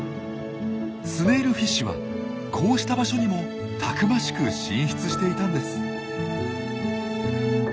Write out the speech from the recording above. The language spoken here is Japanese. スネイルフィッシュはこうした場所にもたくましく進出していたんです。